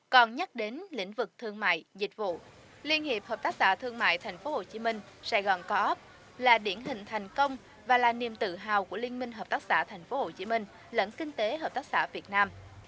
còn nhắc đến lĩnh vực thương mại dịch vụ liên hiệp hợp tác xã thương mại tp hcm sài gòn co op là điển hình thành công và là niềm tự hào của liên minh hợp tác xã tp hcm lẫn kinh tế hợp tác xã việt nam